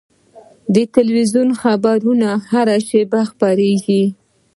د تلویزیون خبرونه هره شپه خپرېږي.